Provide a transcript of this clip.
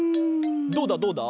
どうだどうだ？